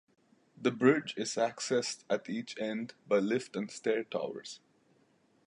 The bridge is accessed at each end by lift and stair towers.